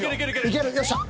いけるよっしゃ。